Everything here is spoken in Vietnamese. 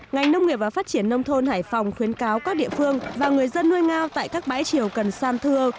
ngành nông nghiệp và phát triển nông thôn hải phòng khuyến cáo các địa phương và người dân nuôi ngao tại các bãi triều cần san thưa